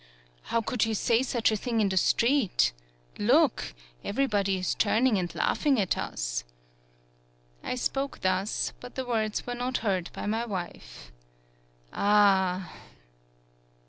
How could you say such a thing in the street ? Look, everybody is turning and laughing at us." I spoke thus, but the words were not heard by my wife. Ah